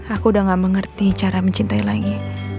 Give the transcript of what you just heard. aku udah gak mengerti cara mencintai lagi